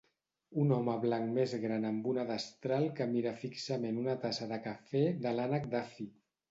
un home blanc més gran amb una destral que mira fixament una tassa de cafè de l'Ànec Daffy.